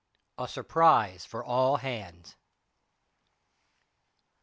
A SURPRISE FOR ALL HANDS.